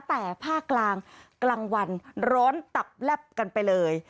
แต่ภาคกลางกลางวันร้อนตับแลบกันไปเลย